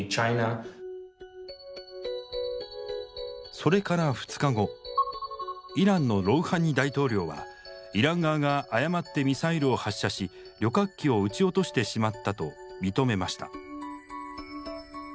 それから２日後イランのロウハニ大統領はイラン側が誤ってミサイルを発射し旅客機を撃ち落としてしまったと認めました。